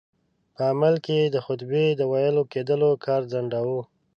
په عمل کې یې د خطبې د ویل کېدلو کار ځنډاوه.